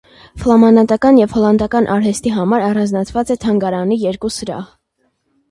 Ֆլամանատական եւ հոլանտական արուեստի համար առանձնացուած է թանգարանի երկու սրահ։